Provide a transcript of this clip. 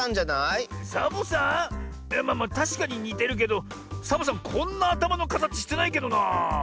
いやまあまあたしかににてるけどサボさんはこんなあたまのかたちしてないけどなあ。